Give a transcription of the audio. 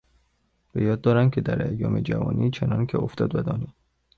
به یاد دارم که در ایام جوانی چنانکه افتد و دانی...